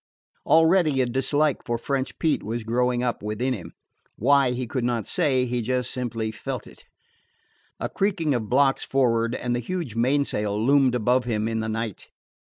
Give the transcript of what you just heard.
Already a dislike for French Pete was growing up within him. Why, he could not say; he just simply felt it. A creaking of blocks for'ard, and the huge mainsail loomed above him in the night.